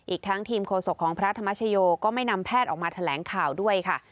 อีกทั้งทีมโฆษกของพระธรรมชโยก็ไม่นำแพทย์ออกมาแถลงข่าวด้วยค่ะ